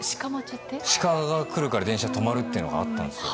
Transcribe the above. シカが来るから電車が止まるっていうのがあったんですよ。